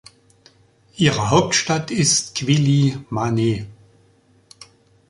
Ihre Hauptstadt ist Quelimane.